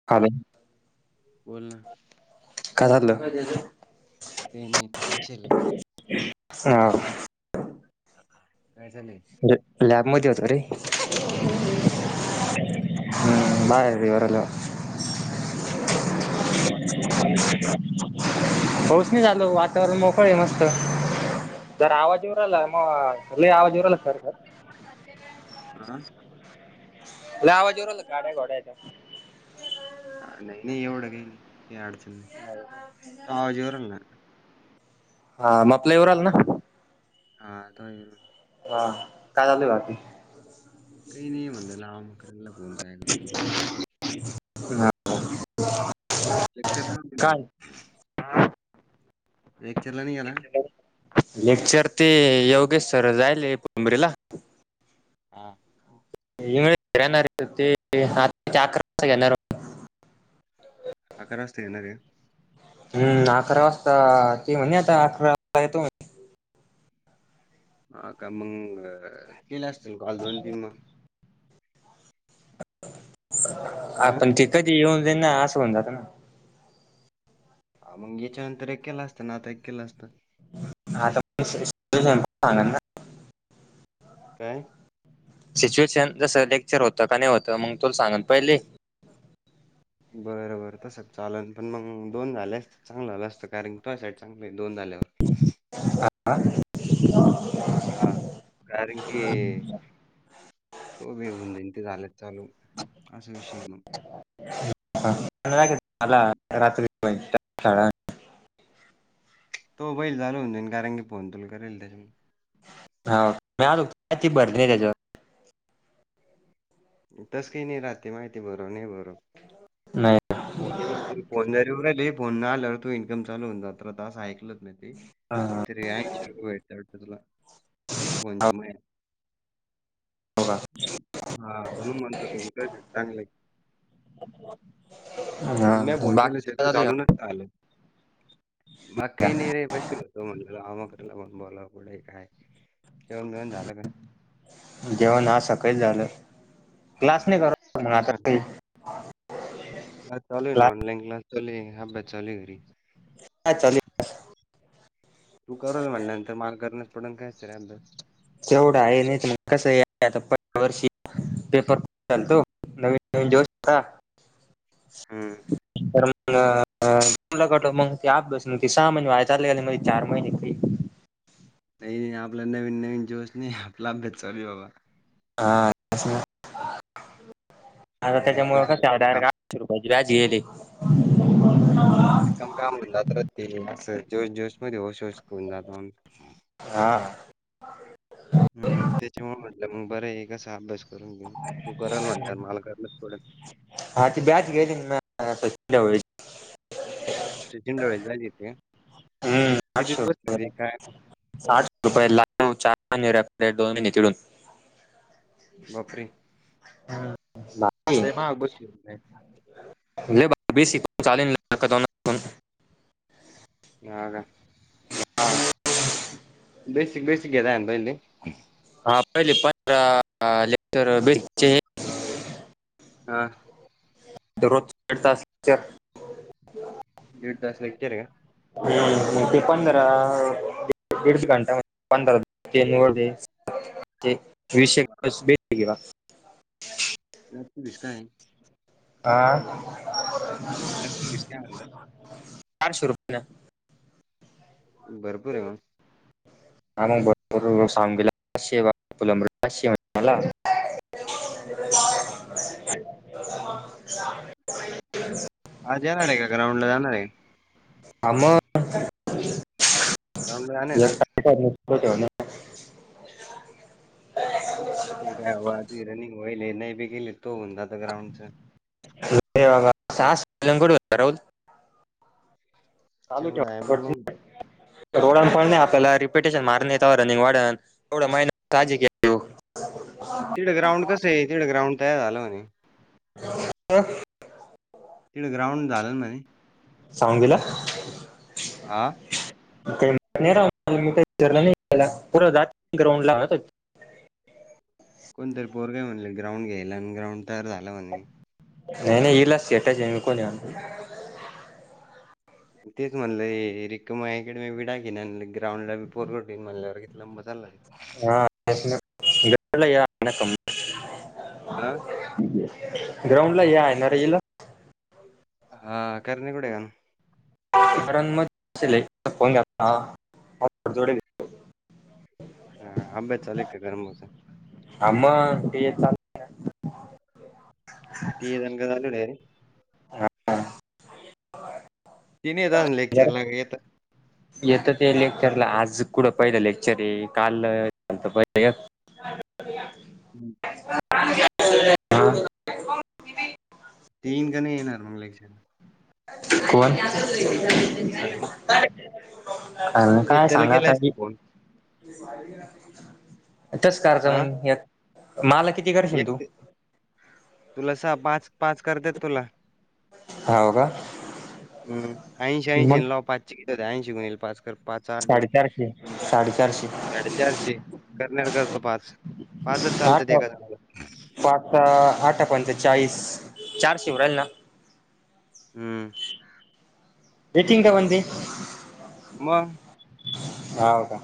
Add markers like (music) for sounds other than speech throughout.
(unintelligible) बोल ना. काय चाललंय? काही नाही. बसेल ए. सा लका काय झाले? ल लॅब मध्ये होतो रे. (inaudible) डबल होता ना हम्म बाहेर येऊ राहिलो. (unintelligible) (unintelligible) फोन चालवले. (unintelligible) पाऊस नाही चालु वातावरण मोकळे मस्त. जर आवाज ये (unintelligible) म लई आवाज येऊन राहिला खर खर हा. हा. लय आवाज येऊ राहिला गाड्या घोड्याचा. नाही नाही एवढं काही नाही काही अडचण नाही. आवाज येऊ राहिला. हा (unintelligible) हा येतोय. हा काय झालंय बाकी? काही नाही म्हणलं (unintelligible) हम. लेक्चर द्या ना तिला. वेक्चरला नाही हायना? लेक्चर ते योगेश सर जायले पोबरीला. हा. लवकर येणारे ते सात ते अकरा वाजता येणारे. अकरा वाजत येणार आहेत? हम्म अकरा वाजता ती म्हणणे आता अकरा वाजता येतो म्हणे हा का मग केले असतील काल दोन तीन मग ह हा. पण ते कधी येऊन देईना असं होऊन जात ना. हा मग याच्यानंतर एक केला असतं ना आता एक केलं असतं. (unintelligible) काय? सिच्युएशन जसं लेक्चर होतं का नाही होतं मग तुला सांगत पहिले. बरं बर तस चालल पण मग दोन झाले अस चांगलं झालं असत कारण की तो साईड चांगले दोन झाल्यावर. हा (unintelligible) हा कारण की तो बेऊन जाईल ते झालेत चालू असं विषय मग (unintelligible) तो बैल झालू हो देई कारण की फोन तुल करेल त्याच्या हा मी आलो होतो का (unintelligible) त्याच्यावर तस्की नाही राात माहित आ बर नाही बर. नाही ना. फोन फोनरीवरहि फोन न आलावर तू इन्कम चालू होऊन जात अस ऐकलत नाही ते. हा हां. तरी ऐंशी रुपये भेटता वाटतं तुला एका फोन ची हो का? हा. म्हणून म्हणतो तुम्ही कायतर चांगलं आणि मी हॅलो. फोन केला बाकी झाली काय. (unintelligible) बाकी नाही रे पैसे देतो म्हटले. अमकला म्हण बोला पुुढे काय जेवण बिवन झालं का? जेवण आज सकाळी झालं. क्लास नाही करत का आता? काही नाही चालू हाय ना क्लास ऑनलाईन क्लास चालू हे अभ्यास चालू हे घरी. काय चालू तू करल म्हटल्यानंतर मला करण्या पडन काय तरी रे अभ्यास. तेवढं आहे नाही तुम कसं आहे आता (unintelligible) वर्षी. पेपर (inaudible) चालतो नवीन नवीन दिवस (inaudible) होता. हम्म (unintelligible) मग ते अभ्यास न ते सहा महिने व्हायच्या (unintelligible) चार महिने फ्री नही आपला नवीन नवीन जोश नई आपला अभ्यास चालूये बाबा हा आता नाही नाही त्याच्यामुळ तसं का (unintelligible) रिकाम काम डायरेक्ट रुपयाची भाजी येते. रिकाम कामून जात ते असं जोस जोश मध्ये होश होश खोऊन जातो म्ह हा हम्म त्याच्यामुळ म्हटलं मग बरं एकासा अभ्यास करून घेऊ तू करल म्हटल्यावर मला करणच पडणं हा ती बॅच गेली (unintelligible) (unintelligible) झाली येत्या हम्म आठसे रुपयाला साठ रुपये (inaudible) ला चार (inaudible) दोन तिडून बापरे भारी. लय महाग बसली (unintelligible) (unintelligible) हा का (inaudible) बेसिक बेसिक घे (unintelligible) हा पहिले (inaudible) पंधरा लेटर बेचे (inaudible) हा दरोज (inaudible) एक तास (unintelligible) दीड तास हेक्टर ये का हूं ते पंधरा (unintelligible) दिडच घंटा (inaudible) पंधरा (inaudible) केले होते ते विशेक (unintelligible) (unintelligible) काय हा लकी बीस काय म्हणलं पाचशे (unintelligible) भरपूर ये मंग (unintelligible) (unintelligible) हा ना (inaudible) आज जाणार ये का ग्राउंड ला जाणार ये. हा म ग्राउंडला जाणार आहे ना आज. (unintelligible) (inaudible) तुझी काय बाब तुझी रनिंग होईले नय बी केली त होऊन जात ग्राउंड च (unintelligible) चालू (unintelligible) तेवढं आहे पण मग त्या रोडा (unintelligible) आपल्याला रिपिटेशन मारण ये तवा रनिंग वाढन एवढा महिना काळजी घे तिड ग्राऊडसं ये तिड ग्रांऊड तयारं झालं म्हणे अं, तिङ ग्राऊड झालं न नवीन सांवगीला हा मी का रण नाही केला पु जात ग्राउंड ला. कोणतरी पोर काय म्हणले ग्राउंड घ्यायला आणि ग्राउंड तयार झालं म्हणे. (unintelligible) (unintelligible) (inaudible) हा ग्राउंड ला या आहे. (unintelligible) करून बसले फोन घेतला होता जोडेल. अभ्यास चालू आहे का गणू भाऊचा. हा मंग बीए चालू. तिघेजण घर आलेले आहे. (inaudible) ति नाही लेक्चर ला येतात. येत ते लेक्चरला आज कुठं पहिलं लेक्चर आहे काल पहिलं. हम्. हा तीन जाणे येणार मग लेक्चरला. कोण? कारण अ काय नित्याला सांगा केला असता ती. फोन. हां, (unintelligible) एक ते तुला स पास पास करतात तुला. हाव का. हम ऐंशी ऐंशी मग नऊ पाचे क होते ऐंशी गुणुले पाच कर. पाच अटी साडेचारशे साडेचारशे साडेचारशे करण्यार करतो पास. पाचच चालत आठ ते एका जनाला. पाच आठा पंच चाळीस चारशे होवून राहिले ना. हम्म. (unintelligible) मग. ह का.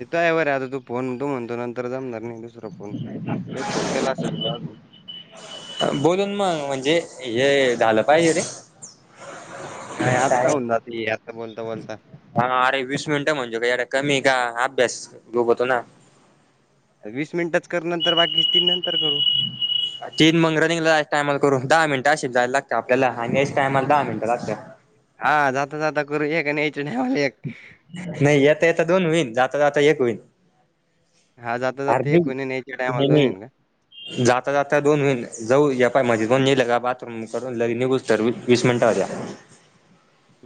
तिथं आहे वरे आता तू फोनण तू म्हणतो नर जमणार नाही दुसरां. फोन एक फोन केला अस तुझ अज बोलून मग म्हणजे हे झालं पाहिजे तेे. काय आत्ता होऊन जाती आत्ता बोलता बोलता. हा अरे वीस मिनिटं म्हणजे काय कमी का अभ्यास बुडतो ना. वीस मिनिटच करू नंतर बाकीच तीन नंतर करू. तीन मंग रानिंगलाच टायमाला करून दहा मिनटं अ जायला लागत आपल्याला आणि या टायमला दहा मिनटं लागत. हा जाता जाता करू एक आणि याचा टाईमला ऐक. नाही येता येता दोन होईन जाता जाता एक होईन. हा जाता जात अरे एक कोणी याच्या टायम नाही नाही दोन होईन का. नाही जाता जाता दोन होईन जाऊ या पा माझे दोन येल बाथरूम करून लग निघ तर वीस मिनिटावर होत्या.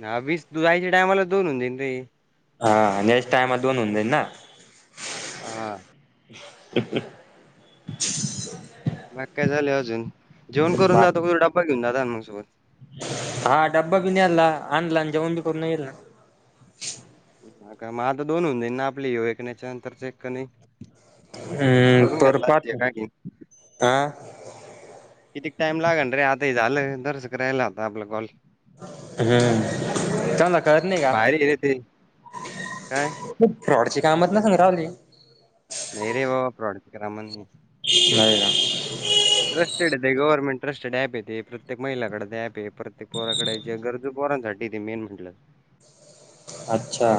ह वीस जायच्या टायमाला दोन होऊन जाईन रे. हा यायच्या टायम दोन होऊन जाई ना. हा. (unintelligible) बाकी काय चाललं अजून जेवण करून बा- जातो की डब्बा घेऊन जातो मग सोबत? हा डब्बा बी न्याला आणला आणि जेवण बी करून ये ईल ना. हा का मग आता दोन होऊन जाईन ना आपली येऊ एक याच्यानंतरच एक क नाही? हम्म पर पाठव, की. अं? कितीक टाइम लागल रे आता झालं तरसक रायला आता आपला कॉल. हम्म, त्यांना कळत नाही का? भारी आहे रे ते. काय? फ्रॉडची कामच ना सग राहली. नाही रे बाबा, प्रॉड‌ करामऽ नाही ना. (inaudible) ट्रस्टेड ते गव्हर्मेंट ट्रस्टेड ऍप य ते, प्रत्येक महिलाकडं एप य, प्रत्येक पोराकडे जे गरजु पोरांसाठी ते मेन म्हटलं तर. अच्छा.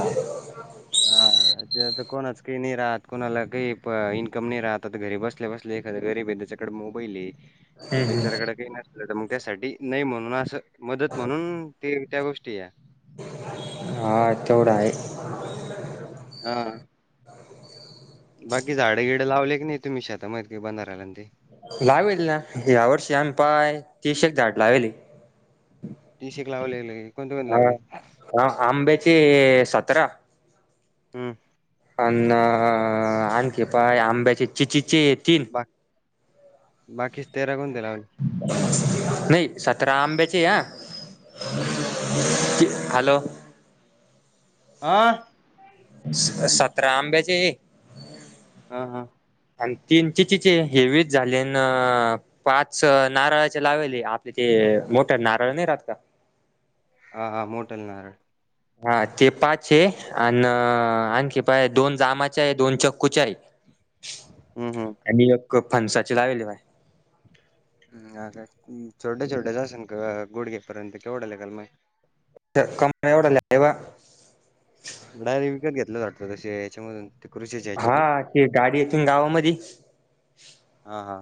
हा ते आता कोणाच काही नाही राहत, कोणाला काही इन्कम नाही राहत, आता घरी बसत बसल्या बसल्या एखाद गरीब आहे त्याच्याकडे मोबाईल आहे ते हम्म बिचाराकडे काही नसल तर मग त्यासाठी नाही म्हणून असं मदत म्हणून ते, त्या गोष्टी या. हा, तेवढं हाय. हा. (inaudible) बाकी झाडं गिडं लावले की नाही, तुम्ही शेता मधे बंधा रायला न ते? लावीले ना, या वर्षी आमी पाय तीशेक झाडं लाविले. तिसेक लावलेल, कोणते कोणते हा लावले? हा, आंब्याचे सतरा हम्म. अन्न आणखी पाय आंब्याचे, चि चिचे ये तीन बाकी, बाकीचे तेरा कोणती लावली? नाही, सतरा आंब्याची अं हॅलो! आं? सतरा आंबेचे हा हा. आणि तिन चिचीचे हे वीच झाले न पाच नारळाचे लावाले, आपले ते मोठ नारळ नाही राहत का? हा हा, मोटाले नारळ. हा, ते पाचेय, अन आणखी पाय दोन जामाचे आहे, दोन चिक्कूच्या आहे. (inaudible) हं, हं. आणि एक फनसाचे लावेले पाय. हा काय, छोट्या छोट्याच असन का गुडघेपर्यंत केवढं लागल मग? त्या कमरा (unintelligible) लागल वा. डायरेक्ट विकत घेतलंस वाटतं तसे याच्यामधून? ते कृषीच्या हा, ह्याच्यातून ते गाडी येते न गावामधी. हा हा.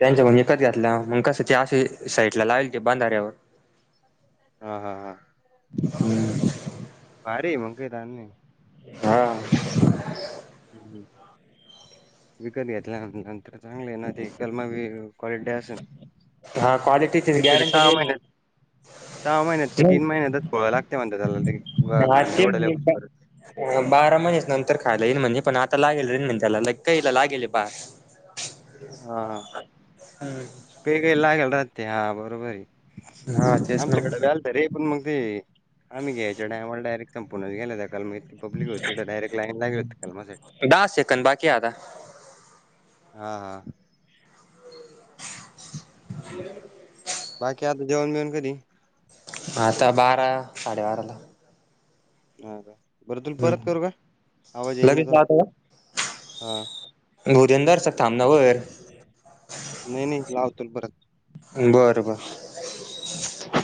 त्यांच्या कडून ईकत घेतलाव मग कसं ते असे साईटला लावेल ते बंधाऱ्यावर. हा हा हा. हम्म. भारीय मंग काही ताण नाही. हा. हम्म. विकत घेतल्या नंतर, चांगलय ना ते? कलमं बी क्वालिटी असल. हा. क्वालिटीची गॅरंटी देईल ना. महिन्यात सहा महिन्यात का तीन महिन्यातच फोडायला लागत्या म्हणत्या त्याला ते, ना हा खांद्या ते एवढाल्या म्हणे होईसपरत. बारा महिनेच नंतर खायला येईल म्हणे. पण आता लागेल रेन म्हणे त्याला. कहीला लागेल ए पहा. हा. काही काही लागेल राहत्या. हा बरोबरए. हा तेच ना आमच्याकड (unintelligible) अरे पण म ते आम्ही घ्यायच्या टायमाला डायरेक्ट संपूनच गेला त्या कलमी - ते पब्लिक होती तर डायरेक्ट लाईन लागेल होती कलमासाठी. हे दहाच सेकंद बाकीए आता. हा. हा. (inaudible) बाकी आता जेवण बिवण कधी? आता बारा साडे बाराला. हा का? बरं तुला हम्म परत करू का? आवाज लगेच येईनचा. हा. होऊ दे ना जरासक थांब ना वर. नाही नाही. लावतो मी परत. बरं बर.